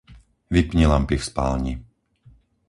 Vypni lampy v spálni.